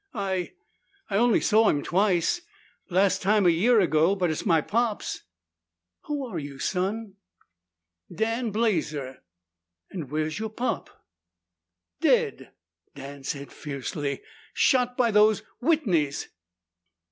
"I I only saw him twice. Last time a year ago. But it's my pop's!" "Who are you, son?" "Dan Blazer." "And where is your pop?" "Dead!" Dan said fiercely. "Shot by those Whitneys!"